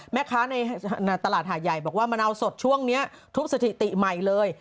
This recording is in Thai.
แม่ค้าในตลาดหาดใหญ่บอกว่ามะนาวสดช่วงนี้ทุกสถิติใหม่เลย